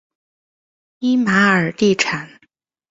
伊玛尔地产。